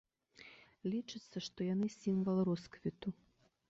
Лічыцца, што яны сімвал росквіту.